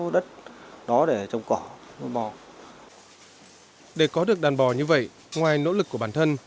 để có được đàn bò như vậy ngoài nỗ lực của bản thân